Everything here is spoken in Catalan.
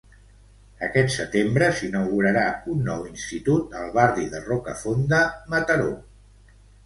Aquest setembre s'inaugurarà un nou institut al barri de Rocafonda, Mataró.